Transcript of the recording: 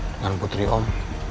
dengan putri om